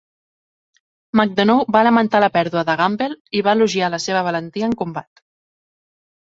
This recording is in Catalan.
Macdonough va lamentar la pèrdua de Gamble i va elogiar la seva valentia en combat.